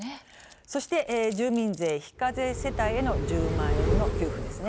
そして住民税非課税世帯への１０万円の給付ですね。